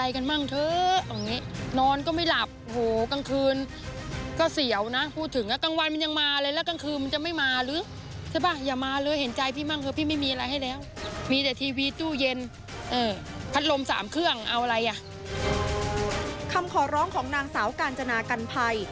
คำขอร้องของนางสาวกาญจนากันภัย